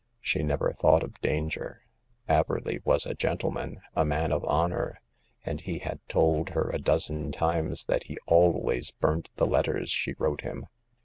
She never thought of danger. Averley was a gentleman, a man of honor, and he had told her a dozen times that he always burnt the letters she wrote him.